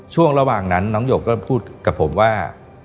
ช่วงระหว่างนั้นน้องหยกก็พูดกับผมว่า